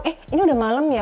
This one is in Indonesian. eh ini udah malam ya